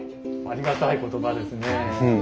ありがたい言葉ですね。